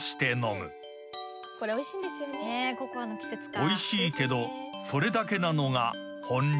［おいしいけどそれだけなのが本流］